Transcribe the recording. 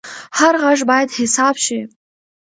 هر غږ باید حساب شي